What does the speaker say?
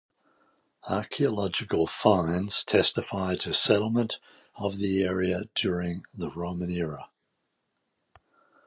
Archeological finds testify to settlement of the area during the Roman era.